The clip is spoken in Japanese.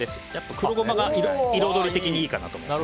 黒ゴマが彩り的にいいかなと思います。